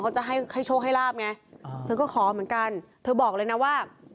จะให้ให้โชคให้ลาบไงเธอก็ขอเหมือนกันเธอบอกเลยนะว่า